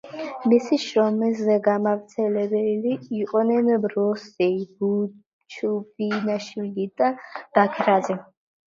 მისი შრომის გამავრცელებლები იყვნენ ბროსე, ჩუბინაშვილი და ბაქრაძე.